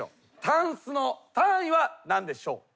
タンスの単位は何でしょう？